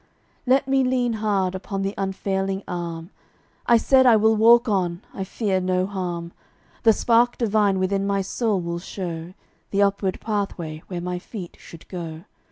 Let me lean hard upon the unfailing Arm. I said I will walk on, I fear no harm, The spark divine within my soul will show The upward pathway where my feet should go.